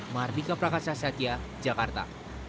mardika prakasa satya jakarta